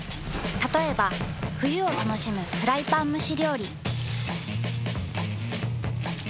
たとえば冬を楽しむフライパン蒸し料理。